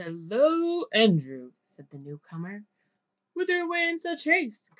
"Hullo, Andrew," said the newcomer, "whither away in such haste?